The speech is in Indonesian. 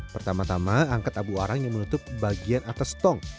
pertama tama angkat abu arang yang menutup bagian atas tong